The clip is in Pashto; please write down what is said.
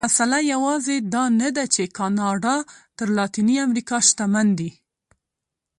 مسئله یوازې دا نه ده چې کاناډا تر لاتینې امریکا شتمن دي.